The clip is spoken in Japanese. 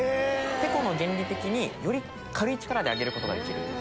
てこの原理的により軽い力で上げることができる。